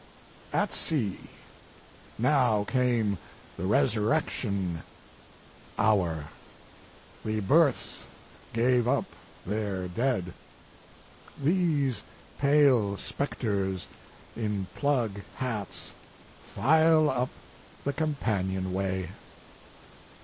202 Mark Twain " At sea. Now came the resurrection hour, the berths gave up their dead. These pale spectres in plug hats file up the companion way."